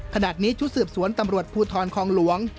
ขณะนี้ชุดสืบสวนตำรวจภูทรคลองหลวง